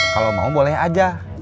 kalau mau boleh aja